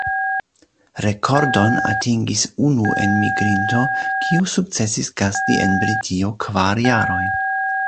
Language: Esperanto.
Rekordon atingis unu enmigrinto, kiu sukcesis gasti en Britio kvar jarojn.